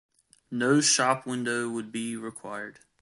No shop-window would be required.